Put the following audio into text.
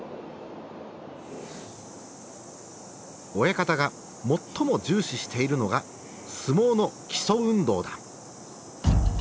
親方が最も重視しているのが相撲の基礎運動だ。